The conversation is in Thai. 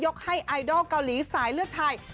ให้ไอดอลเกาหลีสายเลือดไทย